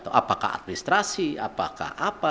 apakah administrasi apakah apa